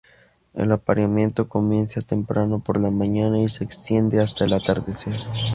El apareamiento comienza temprano por la mañana y se extiende hasta el atardecer.